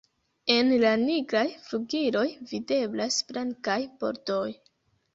En la nigraj flugiloj videblas blankaj bordoj.